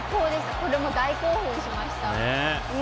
これも大興奮しました。